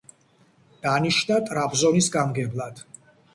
დანიშნა ტრაბზონის გამგებლად.